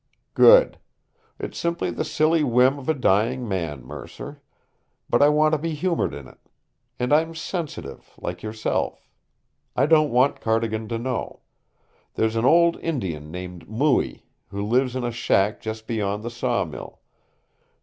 "Good. It's simply the silly whim of a dying man, Mercer. But I want to be humored in it. And I'm sensitive like yourself. I don't want Cardigan to know. There's an old Indian named Mooie, who lives in a shack just beyond the sawmill.